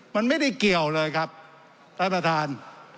มันไม่ได้เกี่ยวเลยครับท่านประธาน